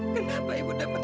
kenapa ibu dapat